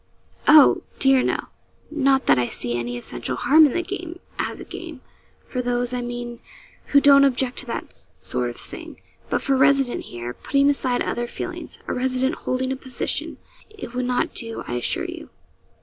'Oh! dear no not that I see any essential harm in the game as a game, for those, I mean, who don't object to that sort of thing; but for a resident here, putting aside other feelings a resident holding a position it would not do, I assure you.